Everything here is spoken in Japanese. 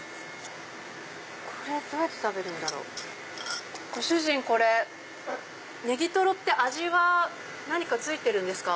これどうやって食べるんだろう？ご主人これネギトロって味は何か付いてるんですか？